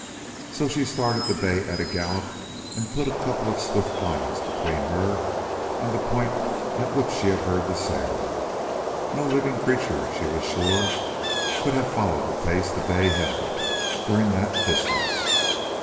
So she started the bay at a gallop and put a couple of swift miles between her and the point at which she had heard the sound; no living creature, she was sure, could have followed the pace the bay held during that distance.